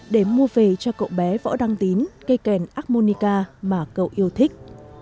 để mua về cho cậu bé võ đăng tín cây kèn armonica mà cậu yêu thích